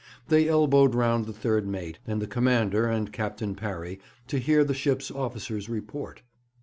They elbowed round the third mate, and the commander, and Captain Parry, to hear the ship's officer's report.